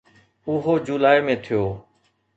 اهو جولاء ۾ ٿيو